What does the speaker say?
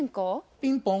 ピンポン。